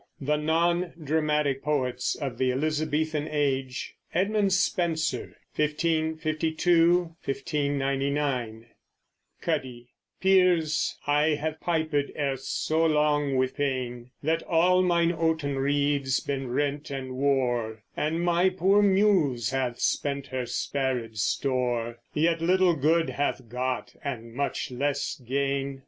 THE NON DRAMATIC POETS OF THE ELIZABETHAN AGE EDMUND SPENSER (1552 1599) (Cuddie) "Piers, I have pipéd erst so long with pain That all mine oaten reeds been rent and wore, And my poor Muse hath spent her sparéd store, Yet little good hath got, and much less gain.